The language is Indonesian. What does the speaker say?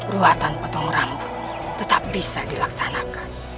ruatan potong rambut tetap bisa dilaksanakan